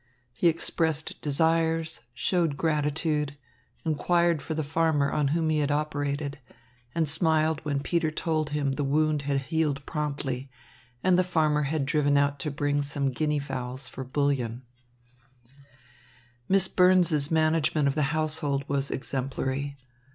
He expressed desires, showed gratitude, inquired for the farmer on whom he had operated, and smiled when Peter told him the wound had healed promptly and the farmer had driven out to bring some guinea fowls for bouillon. Miss Burns's management of the household was exemplary.